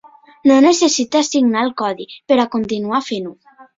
No necessita signar el codi per a continuar fent-ho.